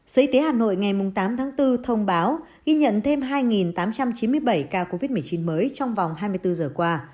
sở y tế hà nội ngày tám tháng bốn thông báo ghi nhận thêm hai tám trăm chín mươi bảy ca covid một mươi chín mới trong vòng hai mươi bốn giờ qua